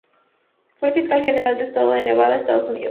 Fue el Fiscal General del estado de Nevada, Estados Unidos.